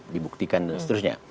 dibuktikan dan seterusnya